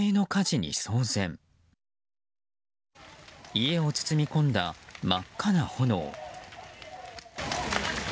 家を包み込んだ真っ赤な炎。